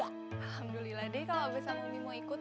alhamdulillah deh kalau habis sama umi mau ikut